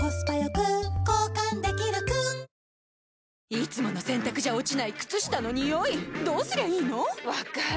いつもの洗たくじゃ落ちない靴下のニオイどうすりゃいいの⁉分かる。